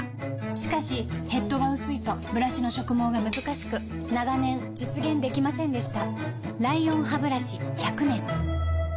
しかしヘッドが薄いとブラシの植毛がむずかしく長年実現できませんでした